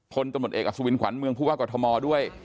ผลตมติเอกอสุวินขวัญเมืองภูวะกรทมด้วย